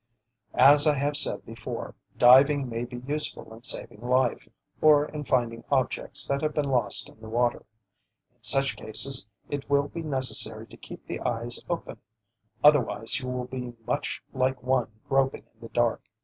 As I have said before, diving may be useful in saving life, or in finding objects that have been lost in the water. In such cases it will be necessary to keep the eyes open, otherwise you will be much like one groping in the dark.